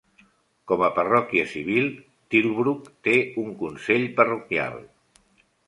Com a parròquia civil, Tilbrook té un consell parroquial.